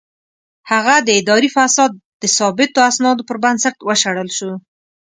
هغه د اداري فساد د ثابتو اسنادو پر بنسټ وشړل شو.